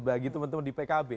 bagi teman teman di pkb